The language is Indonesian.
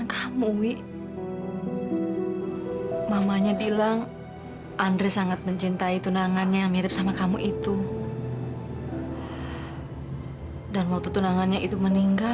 kalau anak tante kayak begitu tante bisa kehilangan anak tante